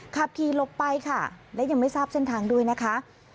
ขับขี่หลบไปค่ะและยังไม่ทราบเส้นทางด้วยนะคะ